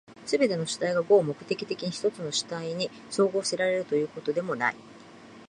すべての主体が合目的的に一つの主体に綜合せられるということでもない。